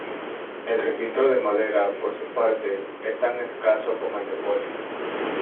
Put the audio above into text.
El registro de madera por su parte es tan escaso como el de polen.